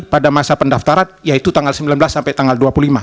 pada masa pendaftaran yaitu tanggal sembilan belas sampai tanggal dua puluh lima